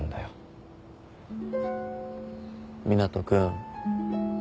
湊斗君。